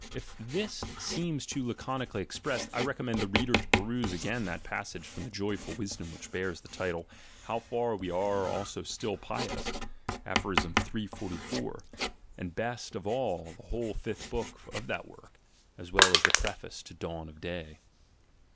... (If this seems too laconic ally expressed, I recommend the reader to peruse again that passage from the Joyful Wisdom which bears the title, ''How far we also are still pious," Aph. 344, and best of all the whole fifth book of that work, as well as the Preface to The Dawn 0} Day.